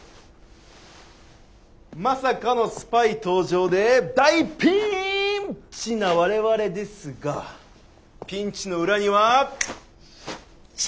まさかのスパイ登場で大ピンチな我々ですがピンチの裏にはチャンスあり！